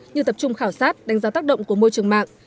như tập trung khảo sát đánh giá tác động của môi trường mạng